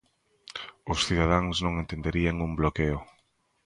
Os cidadáns non entenderían un bloqueo.